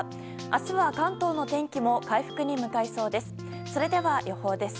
明日は関東の天気も回復に向かいそうです。